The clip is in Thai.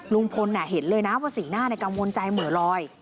ลุงพลเห็นเลยนะว่าสีหน้าในกังวลใจเหม่อลอย